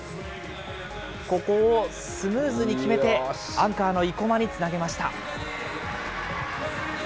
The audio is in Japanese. ここをスムーズに決めて、アンカーの生馬につなげました。